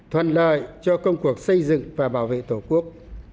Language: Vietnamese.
thuận lợi cho công cuộc xây dựng và bảo vệ tổ quốc